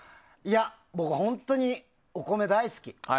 僕、本当にお米大好き。